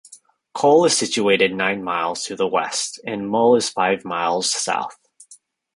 Coll is situated nine miles to the west, and Mull is five miles south.